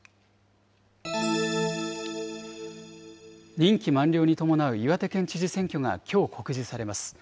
任期満了に伴う岩手県知事選挙がきょう告示されます。